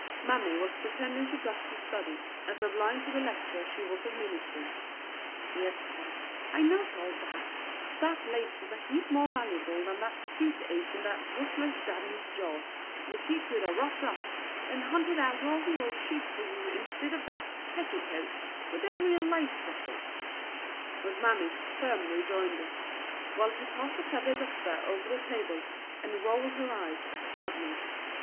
Mammy was pretending to dust his study, as a blind to the lecture she was administering. "Yes, sir, I knows all that; but that lace was a heap more valuable than that toothache in that wuthless Dabney's jaw, which he could er wropped up, and hunted out all the old sheets for you instid of that petticoat with them real lace ruffles," was Mammy's firm rejoinder, while she passed a feather duster over the table and rolled her eyes at Dabney.